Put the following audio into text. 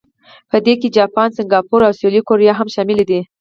په دې کې جاپان، سنګاپور او سویلي کوریا هم شامل دي.